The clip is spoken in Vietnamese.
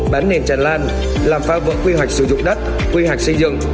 bán nền tràn lan làm phá vỡ quy hoạch sử dụng đất quy hoạch xây dựng